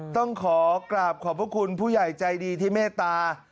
ต้องขอกราบขอบพระคุณผู้ใหญ่ใจดีที่เมตตา